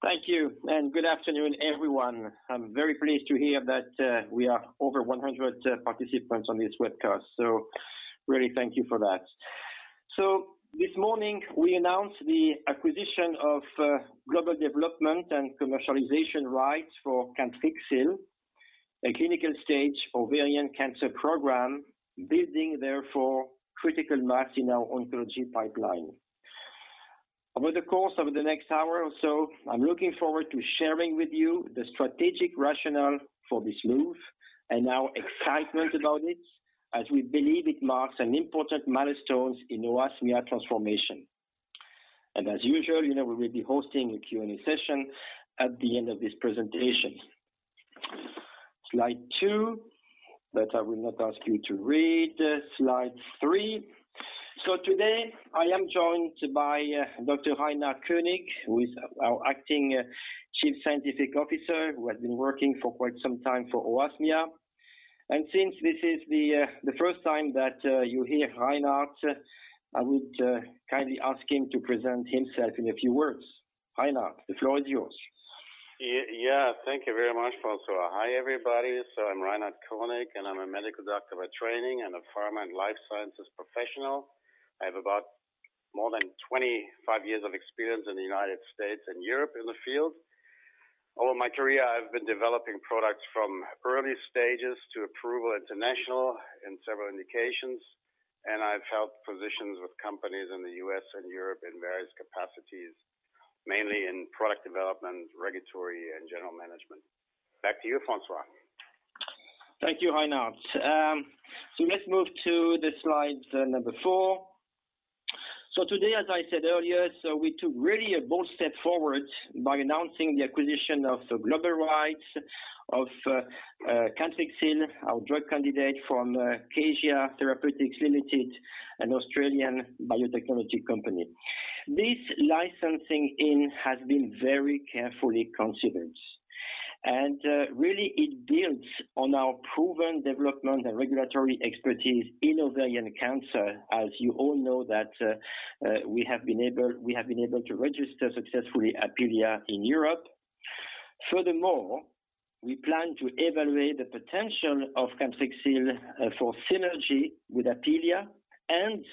Thank you. Good afternoon, everyone. I'm very pleased to hear that we are over 100 participants on this webcast. Really thank you for that. This morning we announced the acquisition of global development and commercialization rights for Cantrixil, a clinical stage ovarian cancer program, building therefore critical mass in our oncology pipeline. Over the course of the next hour or so, I'm looking forward to sharing with you the strategic rationale for this move and our excitement about it as we believe it marks an important milestone in Oasmia transformation. As usual, we will be hosting a Q&A session at the end of this presentation. Slide two, that I will not ask you to read. Slide three. Today I am joined by Dr. Reinhard Koenig, who is our Acting Chief Scientific Officer, who has been working for quite some time for Oasmia. Since this is the first time that you hear Reinhard, I would kindly ask him to present himself in a few words. Reinhard, the floor is yours. Yeah. Thank you very much, Francois. Hi everybody. I'm Reinhard Koenig, and I'm a medical doctor by training and a pharma and life sciences professional. I have about more than 25 years of experience in the U.S. and Europe in the field. All of my career, I've been developing products from early stages to approval international in several indications, and I've held positions with companies in the U.S. and Europe in various capacities, mainly in product development, regulatory, and general management. Back to you, Francois. Thank you, Reinhard. Let's move to the slide number four. Today, as I said earlier, we took really a bold step forward by announcing the acquisition of the global rights of Cantrixil, our drug candidate from Kazia Therapeutics Limited, an Australian biotechnology company. This licensing has been very carefully considered, and really it builds on our proven development and regulatory expertise in ovarian cancer. As you all know that we have been able to register successfully Apealea in Europe. Furthermore, we plan to evaluate the potential of Cantrixil for synergy with Apealea and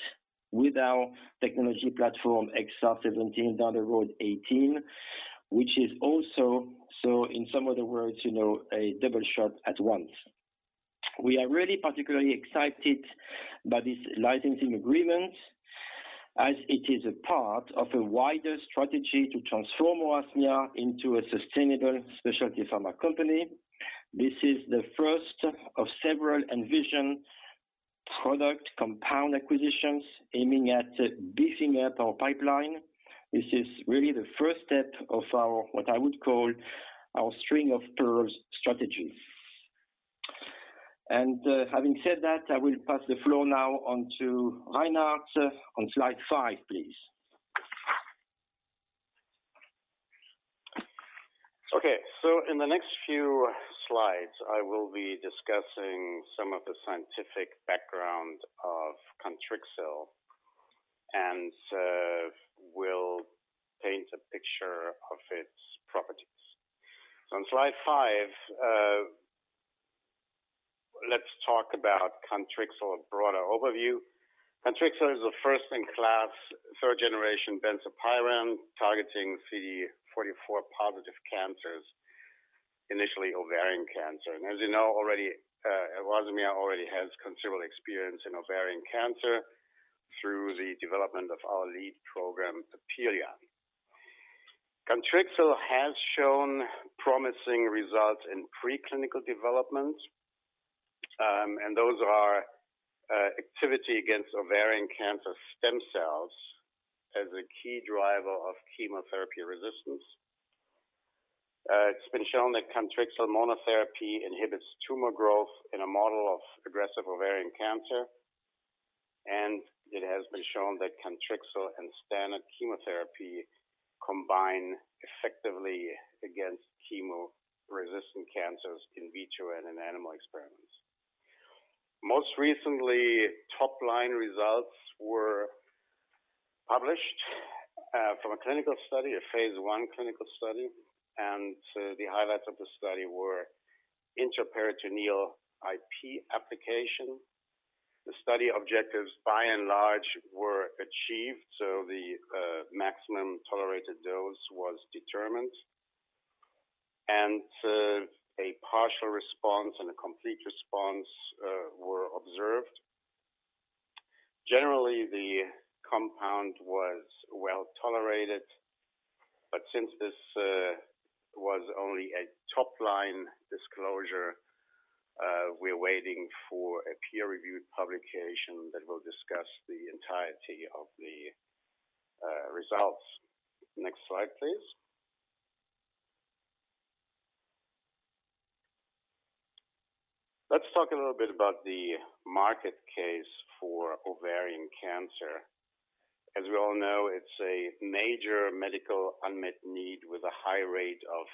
with our technology platform XR-17, down the road 18, which is also, in some other words, a double shot at once. We are really particularly excited by this licensing agreement as it is a part of a wider strategy to transform Oasmia into a sustainable specialty pharma company. This is the first of several envisioned product compound acquisitions aiming at beefing up our pipeline. This is really the first step of our, what I would call our string of pearls strategy. Having said that, I will pass the floor now on to Reinhard on slide five, please. Okay. In the next few slides, I will be discussing some of the scientific background of Cantrixil and will paint a picture of its properties. On slide five, let's talk about Cantrixil, a broader overview. Cantrixil is a first-in-class, third generation benzopyran targeting CD44+ cancers, initially ovarian cancer. As you know already, Oasmia already has considerable experience in ovarian cancer through the development of our lead program, Apealea. Cantrixil has shown promising results in pre-clinical development, and those are activity against ovarian cancer stem cells as a key driver of chemotherapy resistance. It's been shown that Cantrixil monotherapy inhibits tumor growth in a model of aggressive ovarian cancer, and it has been shown that Cantrixil and standard chemotherapy combine effectively against chemo-resistant cancers in vitro and in animal experiments. Most recently, top line results were published from a clinical study, a phase I clinical study. The highlights of the study were intraperitoneal I.P. application. The study objectives by and large were achieved. The maximum tolerated dose was determined, a partial response and a complete response were observed. Generally, the compound was well-tolerated. Since this was only a top line disclosure, we're waiting for a peer-reviewed publication that will discuss the entirety of the results. Next slide, please. Let's talk a little bit about the market case for ovarian cancer. As we all know, it's a major medical unmet need with a high rate of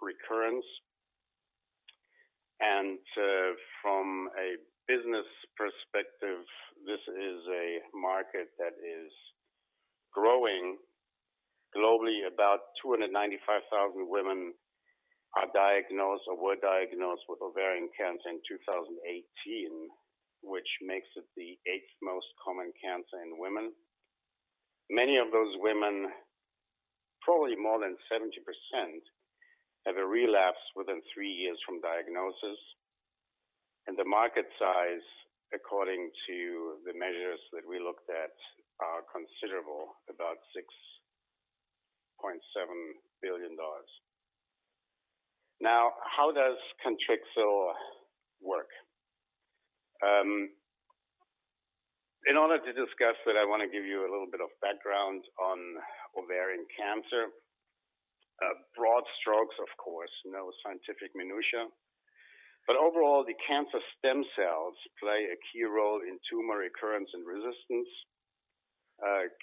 recurrence. From a business perspective, this is a market that is growing globally. About 295,000 women are diagnosed or were diagnosed with ovarian cancer in 2018, which makes it the eighth most common cancer in women. Many of those women, probably more than 70%, have a relapse within three years from diagnosis. The market size, according to the measures that we looked at, are considerable, about $6.7 billion. Now, how does Cantrixil work? In order to discuss that, I want to give you a little bit of background on ovarian cancer. Broad strokes, of course, no scientific minutia. Overall, the cancer stem cells play a key role in tumor recurrence and resistance.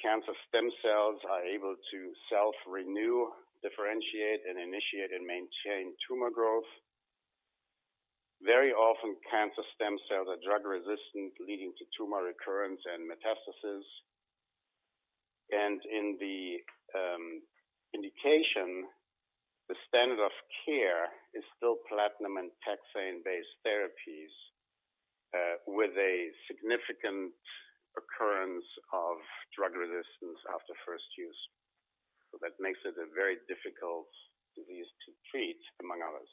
Cancer stem cells are able to self-renew, differentiate, and initiate and maintain tumor growth. Very often, cancer stem cells are drug-resistant, leading to tumor recurrence and metastasis. In the indication, the standard of care is still platinum and taxane-based therapies, with a significant occurrence of drug resistance after first use. That makes it a very difficult disease to treat, among others.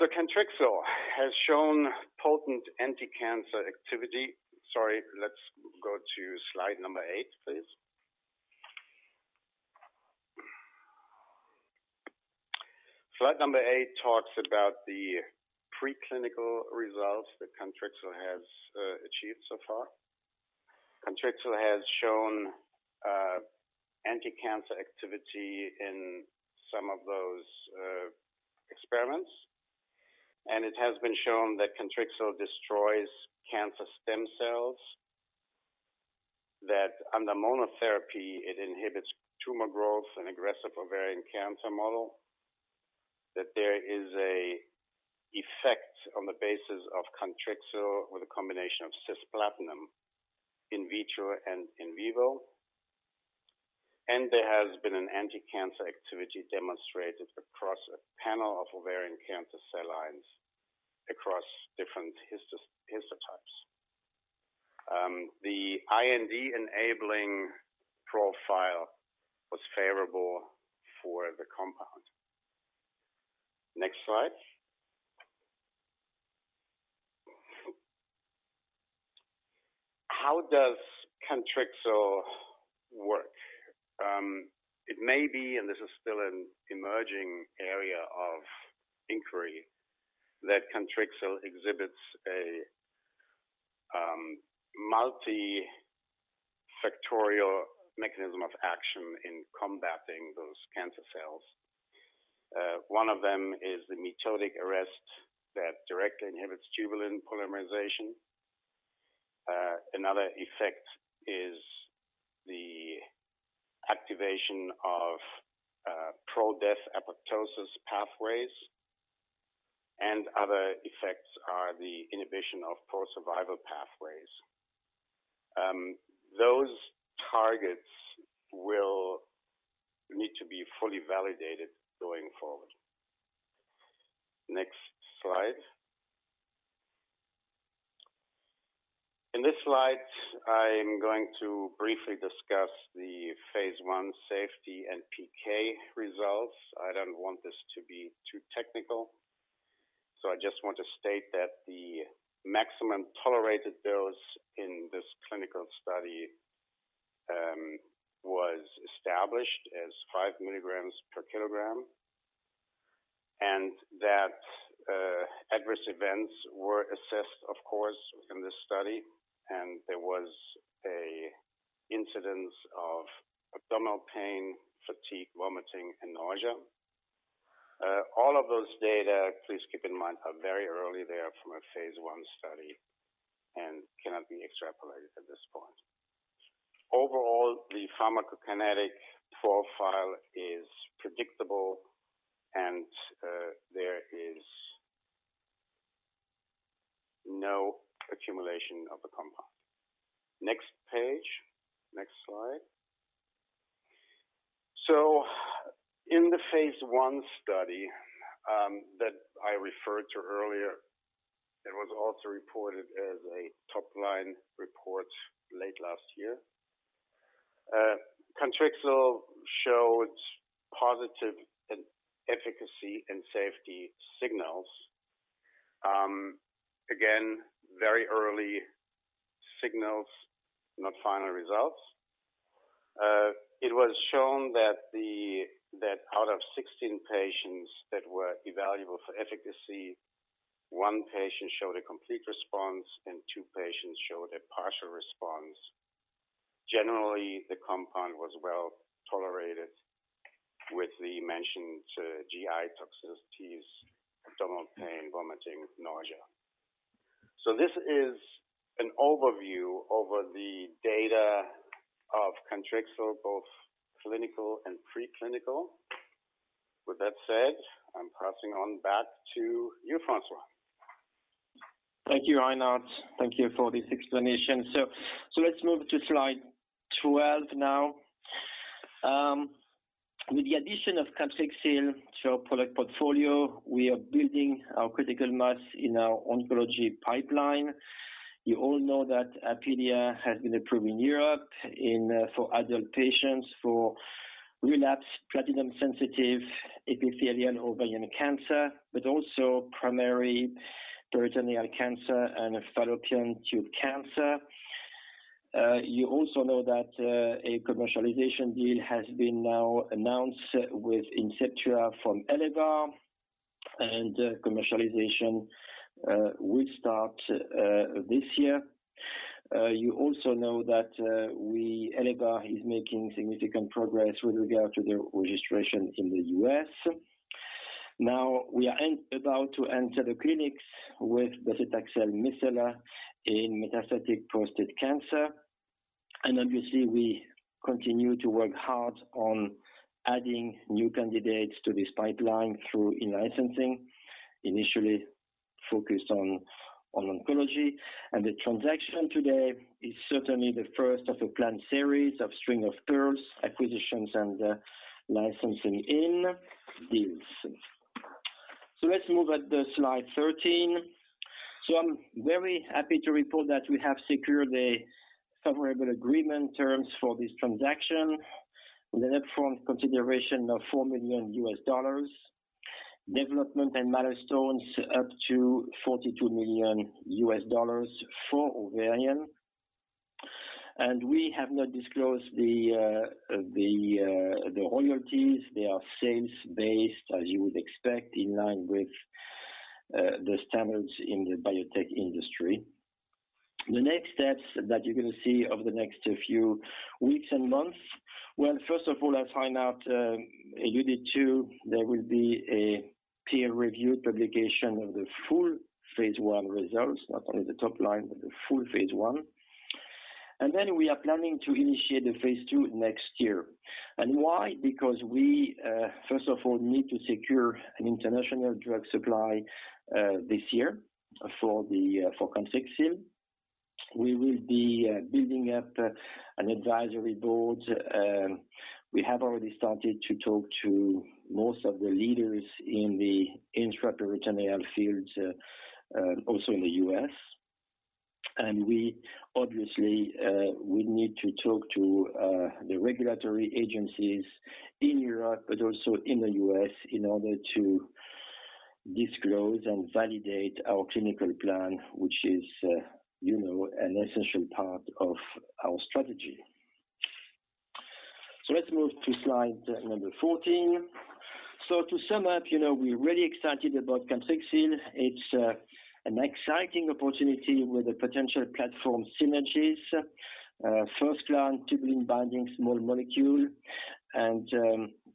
Cantrixil has shown potent anti-cancer activity. Sorry, let's go to slide number eight, please. Slide number eight talks about the pre-clinical results that Cantrixil has achieved so far. Cantrixil has shown anti-cancer activity in some of those experiments, it has been shown that Cantrixil destroys cancer stem cells, that under monotherapy, it inhibits tumor growth in aggressive ovarian cancer model, that there is a effect on the basis of Cantrixil with a combination of cisplatin, in vitro and in vivo. There has been an anti-cancer activity demonstrated across a panel of ovarian cancer cell lines across different histotypes. The IND-enabling profile was favorable for the compound. Next slide. How does Cantrixil work? It may be, and this is still an emerging area of inquiry, that Cantrixil exhibits a multifactorial mechanism of action in combating those cancer cells. One of them is the mitotic arrest that directly inhibits tubulin polymerization. Another effect is the activation of pro-death apoptosis pathways, and other effects are the inhibition of pro-survival pathways. Those targets will need to be fully validated going forward. Next slide. In this slide, I'm going to briefly discuss the phase I safety and PK results. I don't want this to be too technical, so I just want to state that the maximum tolerated dose in this clinical study was established as 5 mg per kg, and that adverse events were assessed, of course, in this study. There was an incidence of abdominal pain, fatigue, vomiting, and nausea. All of those data, please keep in mind, are very early. They are from a phase I study and cannot be extrapolated at this point. Overall, the pharmacokinetic profile is predictable and there is no accumulation of the compound. Next page. Next slide. In the phase I study that I referred to earlier, it was also reported as a top-line report late last year. Cantrixil showed positive efficacy and safety signals. Again, very early signals, not final results. It was shown that out of 16 patients that were evaluable for efficacy, one patient showed a complete response, and two patients showed a partial response. Generally, the compound was well-tolerated with the mentioned GI toxicities, abdominal pain, vomiting, nausea. This is an overview over the data of Cantrixil, both clinical and pre-clinical. With that said, I'm passing on back to you, Francois. Thank you, Reinhard. Thank you for this explanation. Let's move to slide 12 now. With the addition of Cantrixil to our product portfolio, we are building our critical mass in our oncology pipeline. You all know that Apealea has been approved in Europe for adult patients for relapsed platinum-sensitive epithelial ovarian cancer, but also primary peritoneal cancer and fallopian tube cancer. You also know that a commercialization deal has been now announced with Inceptua from Elevar, and commercialization will start this year. You also know that Elevar is making significant progress with regard to their registration in the U.S. Now, we are about to enter the clinics with docetaxel micellar in metastatic prostate cancer. Obviously, we continue to work hard on adding new candidates to this pipeline through in-licensing, initially focused on oncology. The transaction today is certainly the first of a planned series of string of pearls acquisitions and licensing-in deals. Let's move at the slide 13. I'm very happy to report that we have secured a favorable agreement terms for this transaction. With an upfront consideration of $4 million. Development and milestones up to $42 million for ovarian. We have not disclosed the royalties. They are sales based, as you would expect, in line with the standards in the biotech industry. The next steps that you're going to see over the next few weeks and months. First of all, as Reinhard alluded to, there will be a peer review publication of the full phase I results, not only the top line, but the full phase I. We are planning to initiate the phase II next year. Why? We, first of all, need to secure an international drug supply this year for Cantrixil. We will be building up an advisory board. We have already started to talk to most of the leaders in the intraperitoneal fields, also in the U.S. We obviously would need to talk to the regulatory agencies in Europe, but also in the U.S. in order to disclose and validate our clinical plan, which is an essential part of our strategy. Let's move to slide number 14. To sum up, we're really excited about Cantrixil. It's an exciting opportunity with the potential platform synergies. First-in-class tubulin binding small molecule and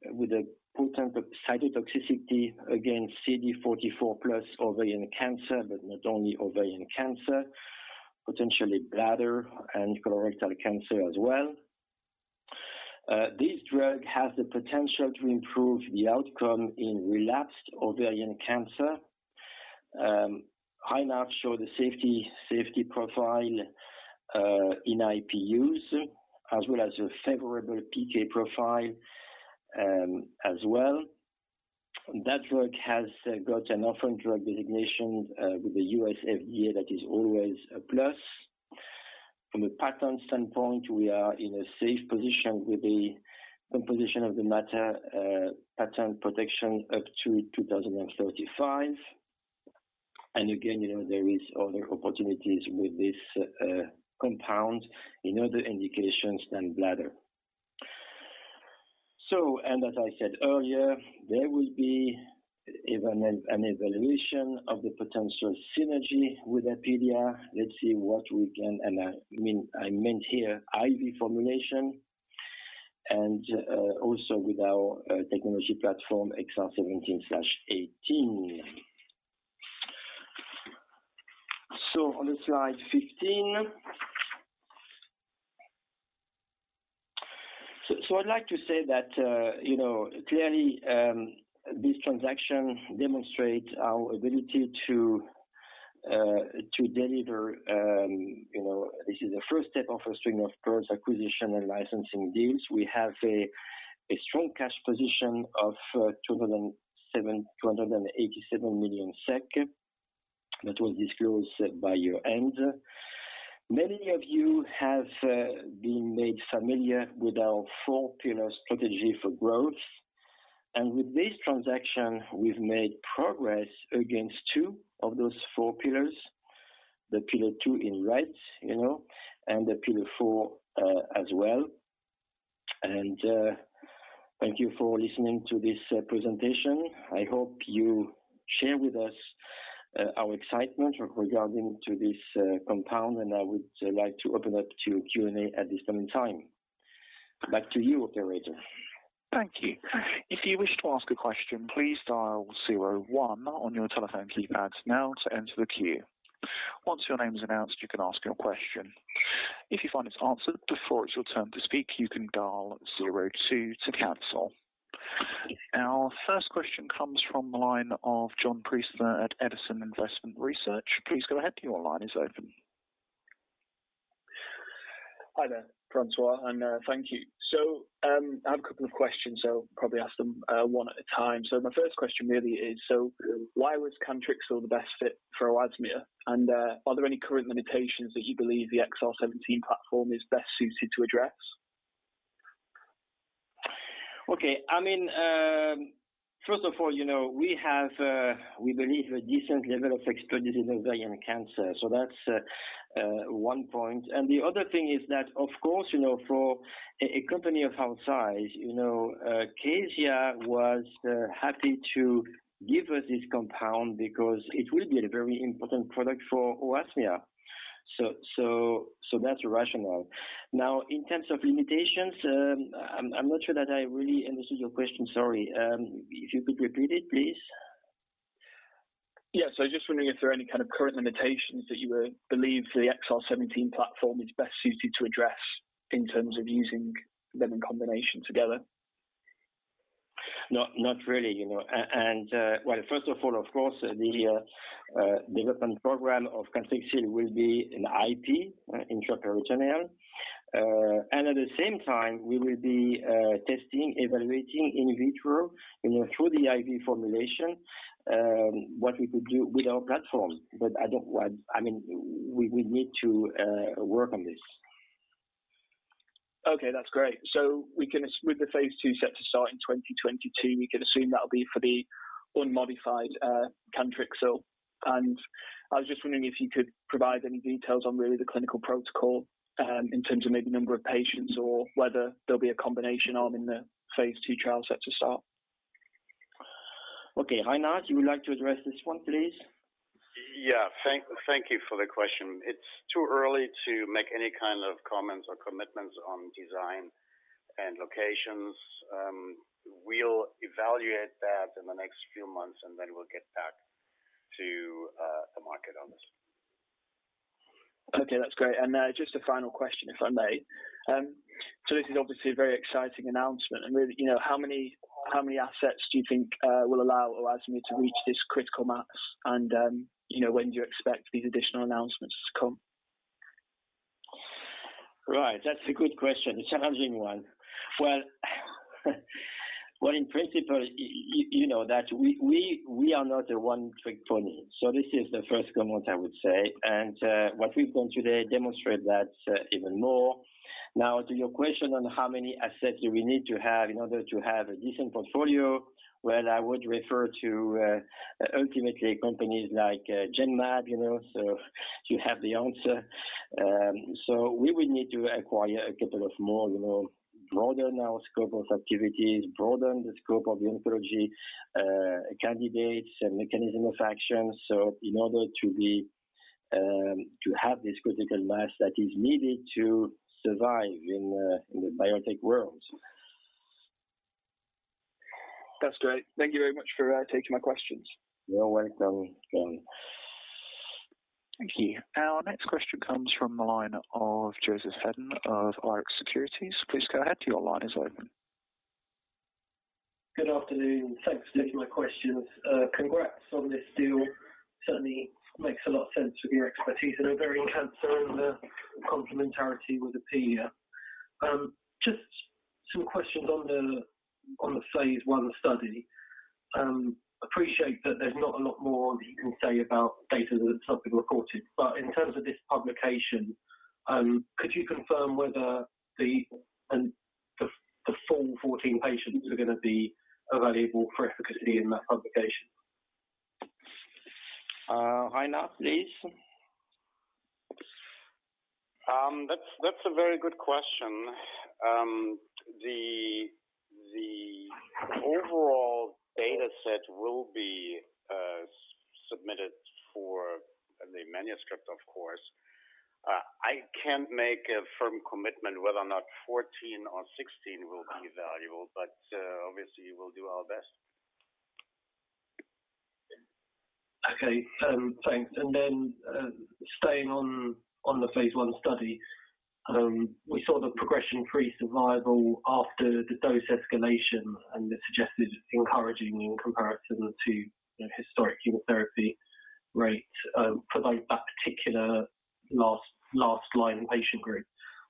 with a potent cytotoxicity against CD44+ ovarian cancer, but not only ovarian cancer. Potentially bladder and colorectal cancer as well. This drug has the potential to improve the outcome in relapsed ovarian cancer. Reinhard showed the safety profile in I.P. use, as well as a favorable PK profile as well. That work has got an orphan drug designation with the U.S. FDA that is always a plus. From a patent standpoint, we are in a safe position with the composition of the matter patent protection up to 2035. Again, there is other opportunities with this compound in other indications than bladder. As I said earlier, there will be an evaluation of the potential synergy with Apealea. Let's see what we can. I meant here IV formulation and also with our technology platform XR-17/18. On to slide 15. I'd like to say that clearly, this transaction demonstrates our ability to deliver. This is the first step of a string of pearls acquisition and licensing deals. We have a strong cash position of 287 million SEK that was disclosed by year-end. Many of you have been made familiar with our four-pillar strategy for growth. With this transaction, we've made progress against two of those four pillars. The pillar two in red and the pillar four as well. Thank you for listening to this presentation. I hope you share with us our excitement regarding to this compound. I would like to open up to Q&A at this point in time. Back to you, operator. Thank you. If you wish to ask a question, please dial zero one on your telephone keypad now to enter the queue. Once your name is announced, you can ask your question. If you find it is answered before it is your turn to speak, you can dial zero two to cancel. Our first question comes from the line of John Priestley at Edison Investment Research. Please go ahead. Your line is open. Hi there, Francois, and thank you. I have couple of questions, probably ask them one at a time. My first question really is, so why was Cantrixil the best fit for Oasmia, and are there any current limitations that you believe the XR-17 platform is best suited to address? Okay. I mean, first of all, we believe a decent level of expertise in ovarian cancer. That's one point. The other thing is that, of course, for a company of our size, Kazia was happy to give us this compound because it will be a very important product for Oasmia. That's the rationale. Now, in terms of limitations, I'm not sure that I really understand your question. Sorry. If you could repeat it, please. Yeah. I was just wondering if there are any kind of current limitations that you believe the XR-17 platform is best suited to address in terms of using them in combination together? Not really. Well, first of all, of course, the development program of Cantrixil will be an I.P., intraperitoneal. At the same time, we will be testing, evaluating in vitro through the IV formulation, what we could do with our platform. I mean we would need to work on this. Okay. That's great. With the phase II set to start in 2022, we can assume that'll be for the unmodified Cantrixil. I was just wondering if you could provide any details on really the clinical protocol, in terms of maybe number of patients or whether there'll be a combination arm in the phase II trial set to start. Okay. Reinhard, you would like to address this one, please? Yeah. Thank you for the question. It's too early to make any kind of comments or commitments on design and locations. We'll evaluate that in the next few months, and then we'll get back to the market on this. Okay. That's great. Just a final question, if I may. This is obviously a very exciting announcement and really, how many assets do you think will allow Oasmia to reach this critical mass, and when do you expect these additional announcements to come? Right. That's a good question. A challenging one. Well in principle, you know that we are not a one-trick pony. This is the first comment I would say, and what we've done today demonstrate that even more. Now, to your question on how many assets do we need to have in order to have a decent portfolio, well, I would refer to ultimately companies like Genmab, you have the answer. We will need to acquire a couple of more, broaden our scope of activities, broaden the scope of immunology candidates and mechanism of action, in order to have this critical mass that is needed to survive in the biotech world. That's great. Thank you very much for taking my questions. You're welcome, John. Thank you. Our next question comes from the line of Joseph Hedden of Rx Securities. Please go ahead. Your line is open. Good afternoon. Thanks for taking my questions. Congrats on this deal. Certainly makes a lot of sense with your expertise in ovarian cancer and the complementarity with Apealea. Just some questions on the phase I study. Appreciate that there's not a lot more that you can say about data that's not been reported. In terms of this publication, could you confirm whether the full 14 patients are going to be evaluable for efficacy in that publication? Reinhard, please. That's a very good question. The overall dataset will be submitted for the manuscript, of course. I can't make a firm commitment whether or not 14 or 16 will be evaluable. Obviously, we'll do our best. Okay. Thanks. Then staying on the phase I study, we saw the progression-free survival after the dose escalation, and it suggested encouraging in comparison to historic chemotherapy rate for that particular last line patient group.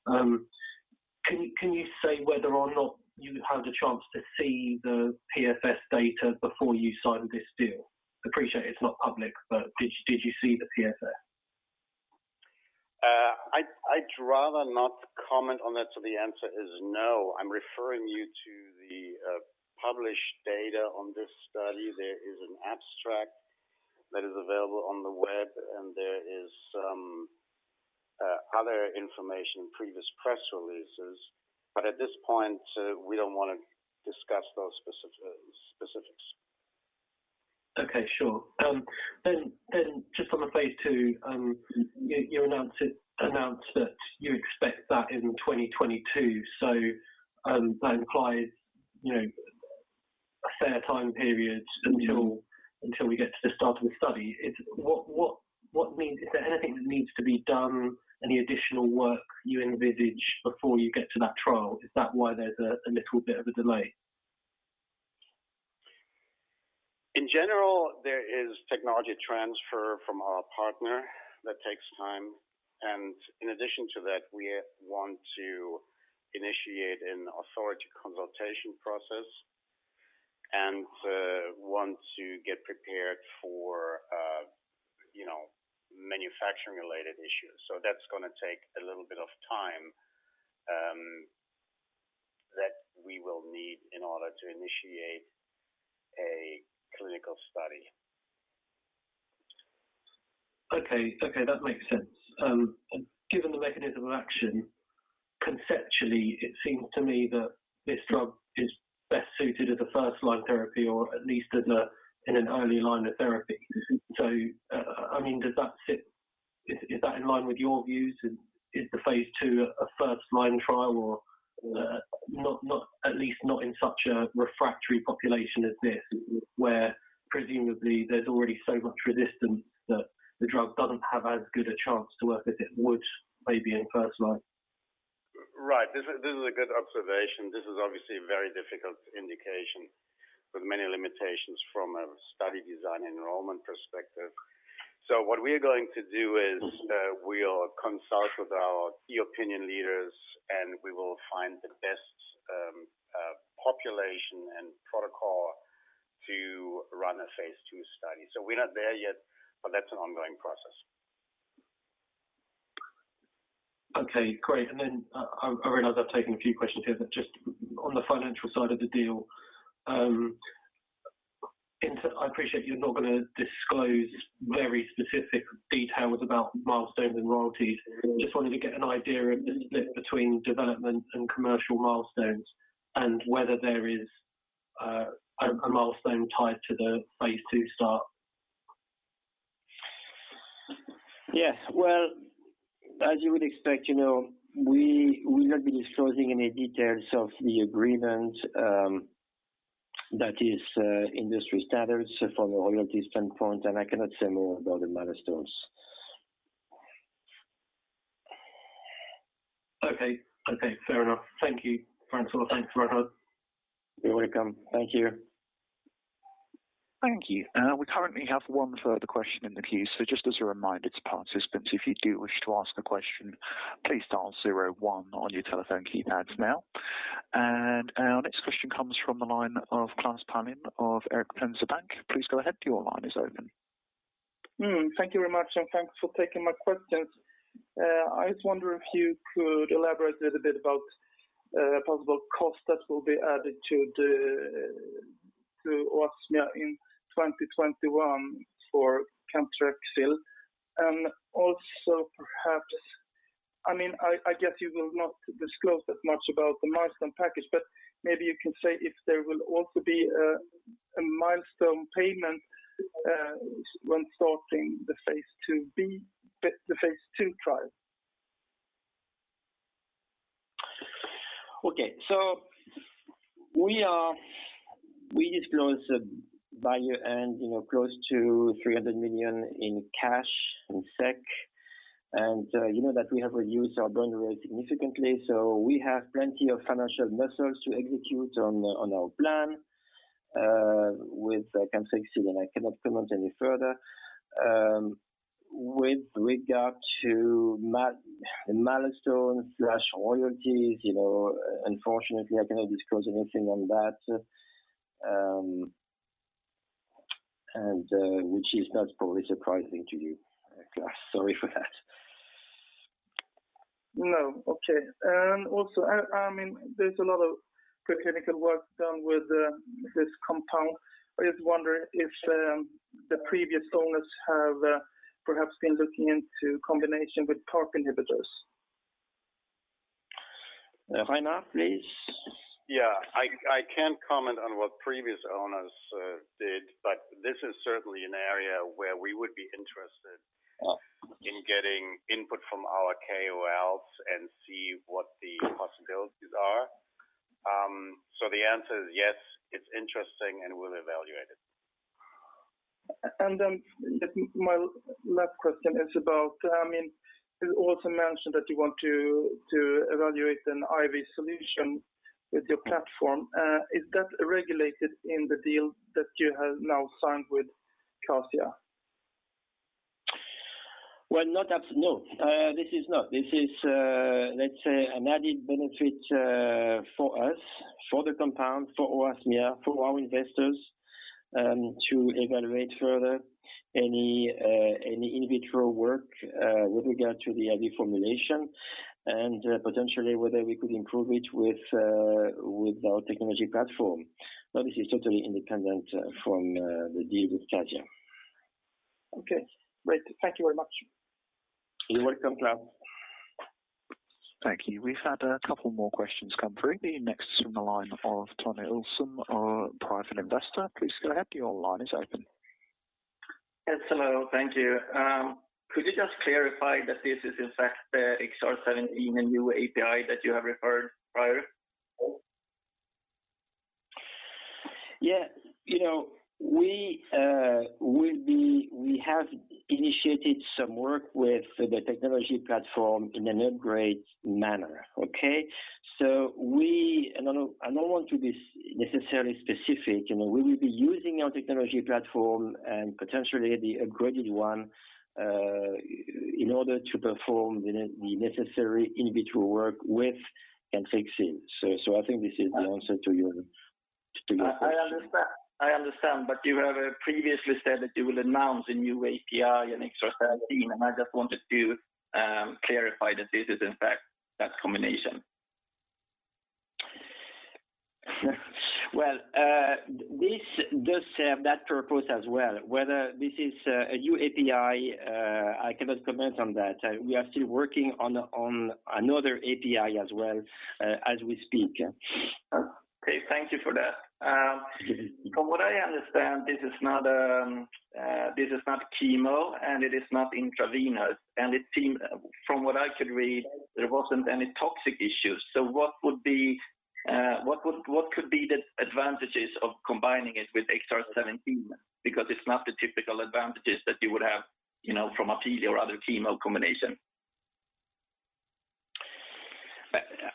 Can you say whether or not you had a chance to see the PFS data before you signed this deal? Appreciate it's not public, but did you see the PFS? I'd rather not comment on that. The answer is no. I'm referring you to the published data on this study. There is an abstract that is available on the web, and there is some other information, previous press releases. At this point, we don't want to discuss those specifics. Okay, sure. Then just on the phase II, you announced that you expect that in 2022, so that implies a fair time period until we get to the start of the study. Is there anything that needs to be done, any additional work you envisage before you get to that trial? Is that why there's a little bit of a delay? In general, there is technology transfer from our partner that takes time, and in addition to that, we want to initiate an authority consultation process and want to get prepared for manufacturing-related issues. That's going to take a little bit of time that we will need in order to initiate a clinical study. Okay. That makes sense. Given the mechanism of action, conceptually, it seems to me that this drug is best suited as a first-line therapy or at least in an early line of therapy. Is that in line with your views? Is the phase II a first-line trial or at least not in such a refractory population as this, where presumably there's already so much resistance that the drug doesn't have as good a chance to work as it would maybe in first line? Right. This is a good observation. This is obviously a very difficult indication with many limitations from a study design enrollment perspective. What we are going to do is, we'll consult with our Key Opinion Leaders, and we will find the best population and protocol to run a phase II study. We're not there yet, but that's an ongoing process. Okay, great. I realize I've taken a few questions here, but just on the financial side of the deal, I appreciate you're not going to disclose very specific details about milestones and royalties. Just wanted to get an idea of the split between development and commercial milestones and whether there is a milestone tied to the phase II start. Yes. Well, as you would expect, we will not be disclosing any details of the agreement. That is industry standards from a royalties standpoint, and I cannot say more about the milestones. Okay. Fair enough. Thank you, Francois. Thanks, Reinhard. You're welcome. Thank you. Thank you. We currently have one further question in the queue. Just as a reminder to participants, if you do wish to ask a question, please dial zero one on your telephone keypads now. Our next question comes from the line of Klas Palin of Erik Penser Bank. Please go ahead. Your line is open. Thank you very much. Thanks for taking my questions. I just wonder if you could elaborate a little bit about possible cost that will be added to Oasmia in 2021 for Cantrixil. Also perhaps, I guess you will not disclose that much about the milestone package, but maybe you can say if there will also be a milestone payment when starting the phase II trial. Okay. We disclosed by year-end close to 300 million in cash, in SEK, and you know that we have reduced our burn rate significantly, so we have plenty of financial muscles to execute on our plan with Cantrixil, and I cannot comment any further. With regard to milestones/royalties, unfortunately, I cannot disclose anything on that, and which is not probably surprising to you, Klas. Sorry for that. No. Okay. Also, there's a lot of pre-clinical work done with this compound. I just wonder if the previous owners have perhaps been looking into combination with mTOR inhibitor. Reinhard, please. Yeah. I can't comment on what previous owners did, but this is certainly an area where we would be interested in getting input from our KOLs and see what the possibilities are. The answer is yes, it's interesting, and we'll evaluate it. Then my last question is about, you also mentioned that you want to evaluate an IV solution with your platform. Is that regulated in the deal that you have now signed with Kazia? Well, no. This is not. This is, let's say, an added benefit for us, for the compound, for Oasmia, for our investors, to evaluate further any individual work with regard to the IV formulation and potentially whether we could improve it with our technology platform. This is totally independent from the deal with Kazia. Okay, great. Thank you very much. You're welcome, Klas. Thank you. We've had a couple more questions come through. The next is from the line of Tony Olsen, our private investor. Please go ahead. Your line is open. Yes, hello. Thank you. Could you just clarify that this is in fact the XR-17 and new API that you have referred prior? Yeah. We have initiated some work with the technology platform in an upgrade manner. Okay? I don't want to be necessarily specific. We will be using our technology platform and potentially the upgraded one, in order to perform the necessary in vitro work with Cantrixil. I think this is the answer to your question. I understand. You have previously said that you will announce a new API and XR-17, and I just wanted to clarify that this is in fact that combination. Well, this does serve that purpose as well. Whether this is a new API, I cannot comment on that. We are still working on another API as well, as we speak. Okay. Thank you for that. From what I understand, this is not chemo and it is not intravenous. It seems, from what I could read, there wasn't any toxic issues. What could be the advantages of combining it with XR-17? It's not the typical advantages that you would have from Apealea or other chemo combination.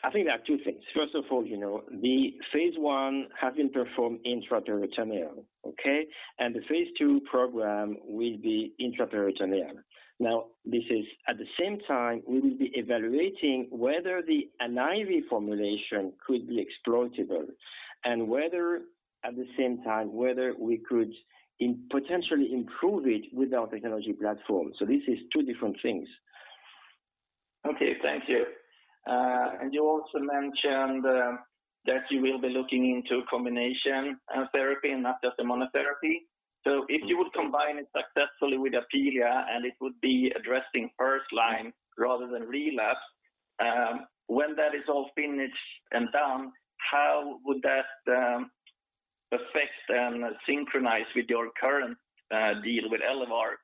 I think there are two things. First of all, the phase I has been performed intraperitoneal. Okay? The phase II program will be intraperitoneal. At the same time, we will be evaluating whether the IV formulation could be exploitable, and whether, at the same time, we could potentially improve it with our technology platform. This is two different things. Okay. Thank you. You also mentioned that you will be looking into combination therapy and not just monotherapy. If you would combine it successfully with Apealea and it would be addressing first line rather than relapse, when that is all finished and done, how would that affect and synchronize with your current deal with Elevar?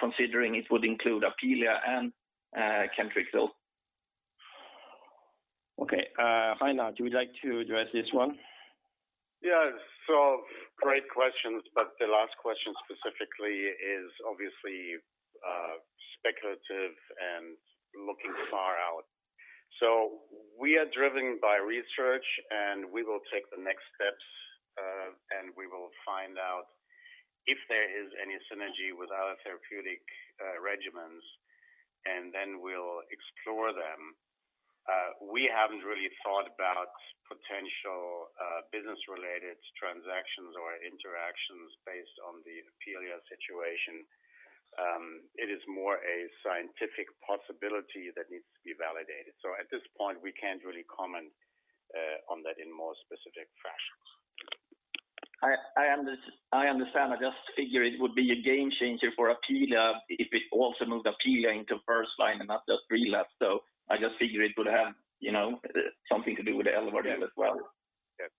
Considering it would include Apealea and Cantrixil. Okay. Reinhard, would you like to address this one? Yes. Great questions, but the last question specifically is obviously speculative and looking far out. We are driven by research. We will take the next steps. We will find out if there is any synergy with our therapeutic regimens, then we'll explore them. We haven't really thought about potential business-related transactions or interactions based on the Apealea situation. It is more a scientific possibility that needs to be validated. At this point, we can't really comment on that in more specific fashions. I understand. I just figure it would be a game changer for Apealea if it also moved Apealea into first line and not just relapse. I just figure it would have something to do with Elevar as well. Yes.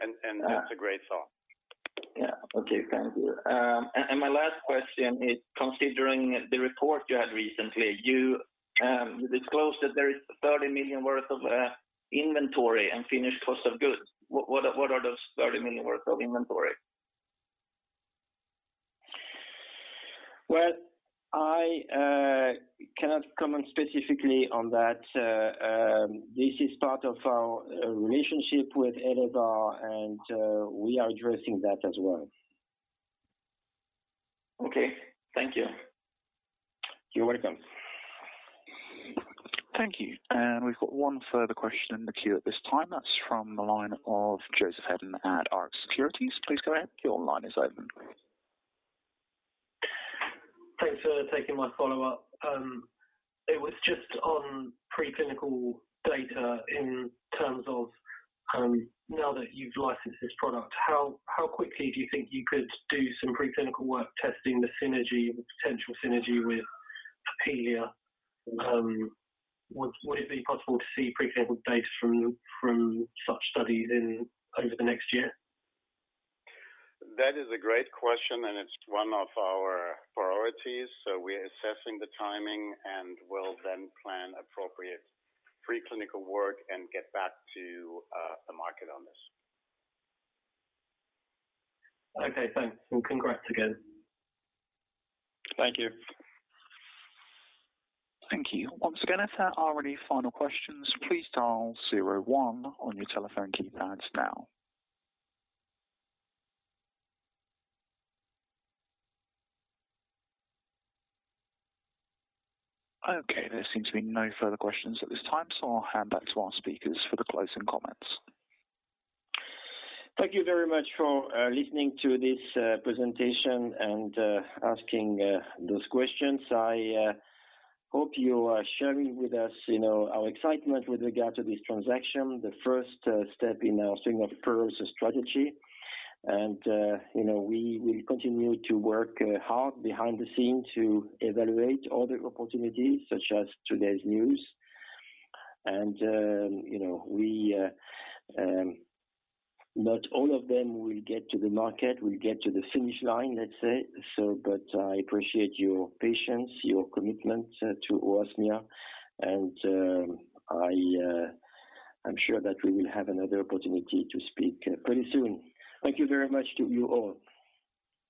That's a great thought. Yeah. Okay. Thank you. My last question is considering the report you had recently, you disclosed that there is $30 million worth of inventory and finished cost of goods. What are those $30 million worth of inventory? Well, I cannot comment specifically on that. This is part of our relationship with Elevar, and we are addressing that as well. Okay. Thank you. You're welcome. Thank you. We've got one further question in the queue at this time. That's from the line of Joseph Hedden at Rx Securities. Please go ahead. Your line is open. Thanks for taking my follow-up. It was just on pre-clinical data in terms of now that you've licensed this product, how quickly do you think you could do some pre-clinical work testing the synergy, the potential synergy with Apealea? Would it be possible to see pre-clinical data from such studies over the next year? That is a great question, and it's one of our priorities. We're assessing the timing and will then plan appropriate pre-clinical work and get back to the market on this. Okay, thanks. Well, congrats again. Thank you. Thank you. Once again, if there are any final questions, please dial zero one on your telephone keypads now. Okay, there seems to be no further questions at this time. I'll hand back to our speakers for the closing comments. Thank you very much for listening to this presentation and asking those questions. I hope you are sharing with us our excitement with regard to this transaction, the first step in our string of pearls strategy. We will continue to work hard behind the scenes to evaluate all the opportunities such as today's news. Not all of them will get to the market, will get to the finish line, let's say. I appreciate your patience, your commitment to Oasmia, and I'm sure that we will have another opportunity to speak pretty soon. Thank you very much to you all.